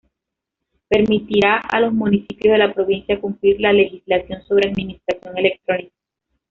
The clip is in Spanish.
Permitirá a los municipios de la provincia cumplir la legislación sobre administración electrónica.